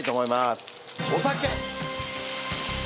お酒。